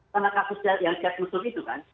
karena kasus yang set musuh itu kan